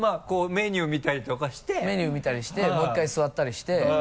メニュー見たりしてもう１回座ったりして。